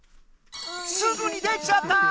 すぐにできちゃった！